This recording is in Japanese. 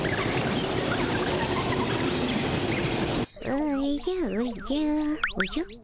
おじゃおじゃおじゃ？